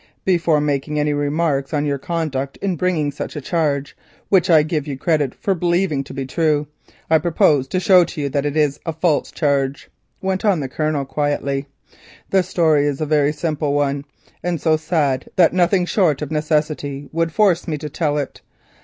"Before making any remarks on your conduct in bringing such a charge, which I give you credit for believing to be true, I purpose to show to you that it is a false charge," went on the Colonel quietly. "The story is a very simple one, and so sad that nothing short of necessity would force me to tell it.